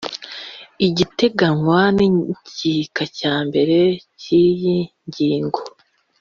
ibiteganywa n igika cya mbere cy iyi ngingo